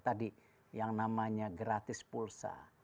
tadi yang namanya gratis pulsa